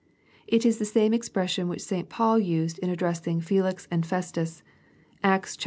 It is the same expression which St Paul used in addressing Felix and Festus. Acts xxiv.